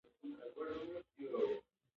د اسمان نقشه د ټولو اجرامو لپاره مهمه ده.